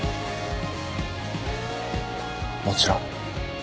もちろん。